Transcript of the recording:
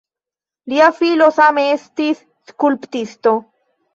Lia filo same estis skulptisto.